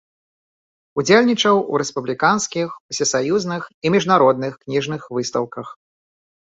Удзельнічаў у рэспубліканскіх, усесаюзных і міжнародных кніжных выстаўках.